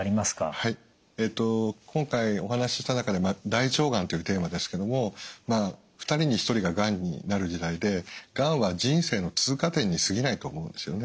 はい今回お話しした中で大腸がんというテーマですけども２人に１人ががんになる時代でがんは人生の通過点にすぎないと思うんですよね。